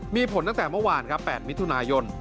มีผลตั้งแต่เมื่อวานครับ๘มิถุนายน